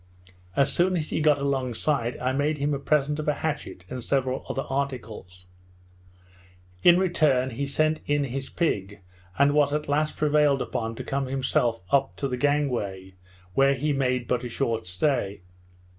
As soon as he got alongside, I made him a present of a hatchet and several other articles: In return, he sent in his pig; and was at last prevailed upon to come himself up to the gang way, where he made but a short stay.